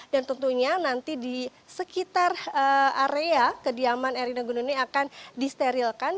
dan tentunya nanti di sekitar area kediaman erina gununo ini akan disterilkan